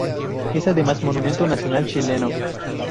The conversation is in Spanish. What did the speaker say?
Es además, monumento nacional chileno.